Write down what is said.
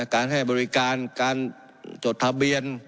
การให้บริการการจดทะเบียน